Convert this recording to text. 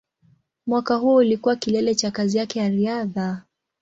Mwaka huo ulikuwa kilele cha kazi yake ya riadha.